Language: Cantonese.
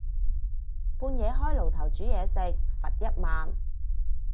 半夜開爐頭煮嘢食，罰一萬